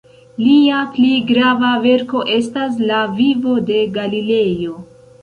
Lia pli grava verko estas "La vivo de Galilejo".